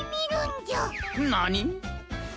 なに！？